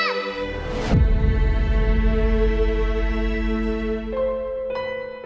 yorosh yoreh kamu ada apa